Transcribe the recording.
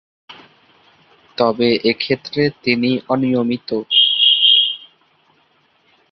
তবে এক্ষেত্রে তিনি অনিয়মিত।